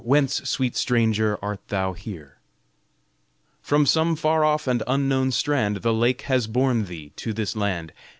whence, sweet stranger, art thou here? From some far off and unknown strand, The lake has borne thee to this land.